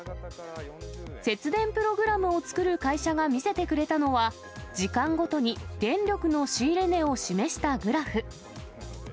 節電プログラムを作る会社が見せてくれたのは、時間ごとに電力の仕入れ値を示したグラフ。